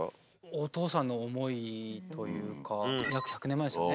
お父さんの思いというか約１００年前ですよね。